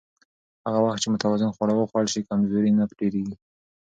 هغه وخت چې متوازن خواړه وخوړل شي، کمزوري نه ډېریږي.